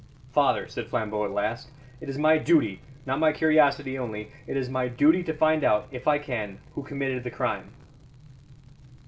"Father," said Flambeau at last, "it is my duty, not my curiosity only it is my duty to find out, if I can, who committed the crime."